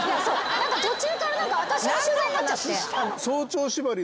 途中から私の取材になっちゃって。